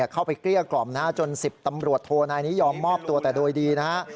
เกลี้ยกล่อมจน๑๐ตำรวจโทนายนี้ยอมมอบตัวแต่โดยดีนะฮะ